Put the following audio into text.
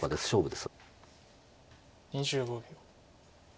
２５秒。